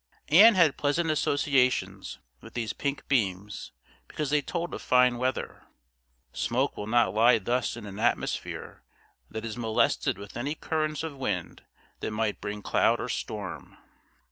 Ann had pleasant associations with these pink beams because they told of fine weather. Smoke will not lie thus in an atmosphere that is molested with any currents of wind that might bring cloud or storm.